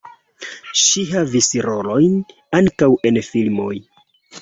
Ŝi havis rolojn ankaŭ en filmoj.